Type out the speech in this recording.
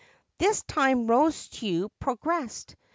This time Rosetsu progressed.